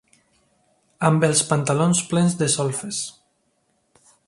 Amb els pantalons plens de solfes.